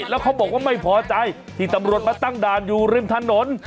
แล้วเขาบอกว่าไม่พอใจที่ตำรวจมาตั้งด่านอยู่ริมถนน